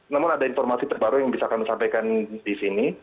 namun ada informasi terbaru yang bisa kami sampaikan di sini